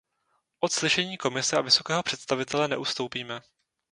Od slyšení Komise a vysokého představitele neustoupíme.